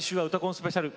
スペシャル。